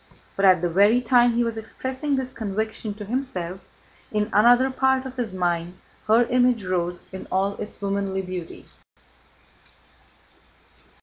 But at the very time he was expressing this conviction to himself, in another part of his mind her image rose in all its womanly beauty.